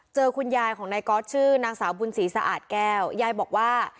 เจอคุณยายของนายก๊อตชื่อนางสาวบุญศรีสะอาดแก้วยายบอกว่า